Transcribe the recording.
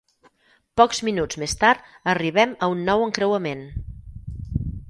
Pocs minuts més tard arribem a un nou encreuament.